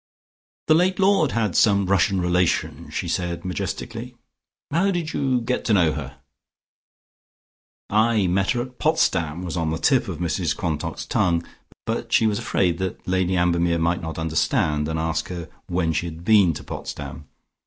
"The late lord had some Russian relations," she said majestically. "How did you get to know her?" "I met her at Potsdam" was on the tip of Mrs Quantock's tongue, but she was afraid that Lady Ambermere might not understand, and ask her when she had been to Potsdam.